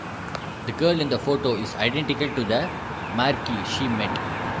The girl in the photo is identical to the Markie she met.